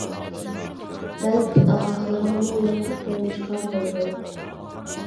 بەل پۇت ئاغرىقلىرىغىمۇ لوڭقا قويۇشقا بولىدۇ.